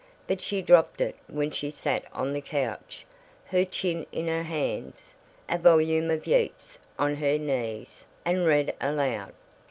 But she dropped it when she sat on the couch, her chin in her hands, a volume of Yeats on her knees, and read aloud.